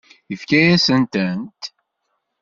Yefka-yasent-tent?